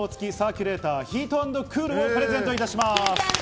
サーキュレーターヒート＆クール」をプレゼントいたします。